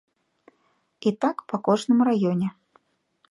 І так па кожным раёне.